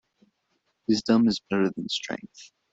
Wisdom is better than strength.